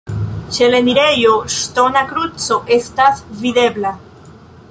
Ĉe la enirejo ŝtona kruco estas videbla.